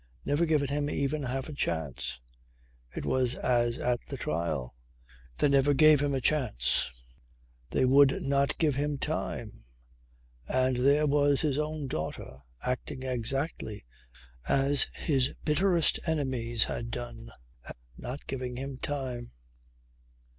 Never given him even half a chance. It was as at the trial. They never gave him a chance. They would not give him time. And there was his own daughter acting exactly as his bitterest enemies had done. Not giving him time!